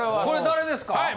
これ誰ですか？